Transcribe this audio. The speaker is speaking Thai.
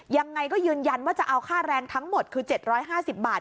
ยังไงก็ยืนยันว่าจะเอาค่าแรงทั้งหมดคือเจ็ดร้อยห้าสิบบาท